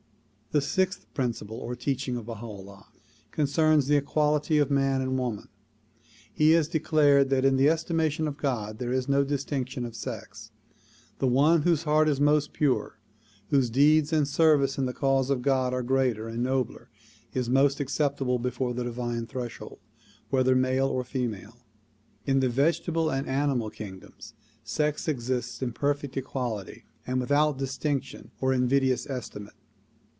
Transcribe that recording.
The sixth principle or teaching of Baha 'Ullah concerns the equality of man and woman. He has declared that in the estima tion of God there is no distinction of sex. The one whose heart is most pure, whose deeds and service in the cause of God are greater and nobler is most acceptable before the divine threshold, whether male or female. In the vegetable and animal kingdoms sex exists in perfect equality and without distinction or invidious estimate.